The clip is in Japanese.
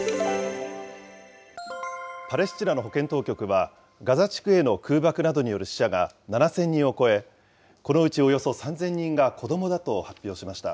パレスチナの保健当局は、ガザ地区への空爆などによる死者が７０００人を超え、このうちおよそ３０００人が子どもだと発表しました。